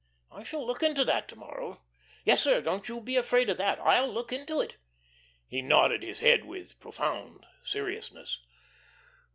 I shall look into that to morrow. Yes, sir; don't you be afraid of that. I'll look into it." He nodded his head with profound seriousness.